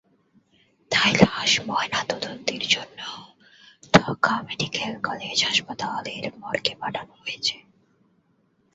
তাই লাশ ময়নাতদন্তের জন্য ঢাকা মেডিকেল কলেজ হাসপাতালের মর্গে পাঠানো হয়েছে।